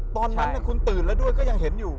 ตอนนั้นคุณตื่นแล้วด้วยก็ยังเห็นอยู่